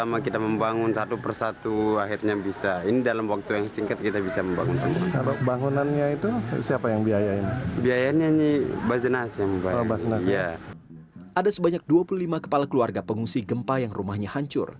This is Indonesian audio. ada sebanyak dua puluh lima kepala keluarga pengungsi gempa yang rumahnya hancur